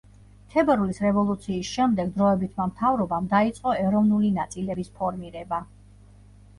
თებერვლის რევოლუციის შემდეგ დროებითმა მთავრობამ დაიწყო ეროვნული ნაწილების ფორმირება.